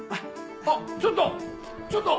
あっちょっと！